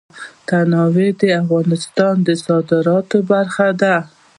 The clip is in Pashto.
تنوع د افغانستان د صادراتو برخه ده.